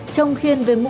trong khiên về mũ sử dụng